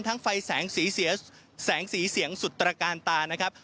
ทั้งไฟแสงสีเสียงสุตรการตานะครับ